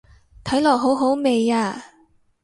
睇落好好味啊